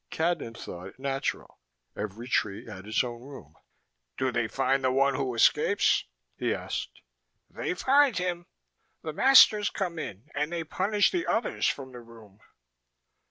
Cadnan thought it natural: every tree had its own room. "Do they find the one who escapes?" he asked. "They find him. The masters come in and they punish the others from the room."